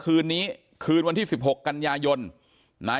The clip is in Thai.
ก็ได้รู้สึกว่ามันกลายเป้าหมาย